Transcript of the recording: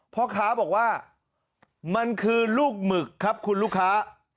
พ่อค้าบอกว่ามันคือลูกหมึกครับคุณลูกค้า